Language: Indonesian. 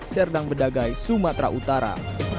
serdang bedagai sumatera utara